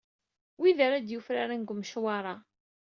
Wid ara d-yufraren deg umecwar-a